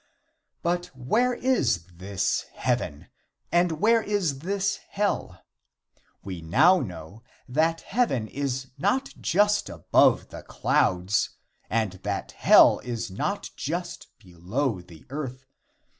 But where is this heaven, and where is this hell? We now know that heaven is not just above the clouds and that hell is not just below the earth.